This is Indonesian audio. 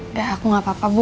udah aku gak apa apa bu